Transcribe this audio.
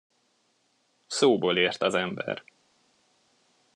Szóból ért az ember.